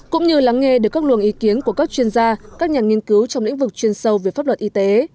cũng như lắng nghe được các luồng ý kiến của các chuyên gia các nhà nghiên cứu trong lĩnh vực chuyên sâu về pháp luật y tế